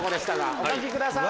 お書きください。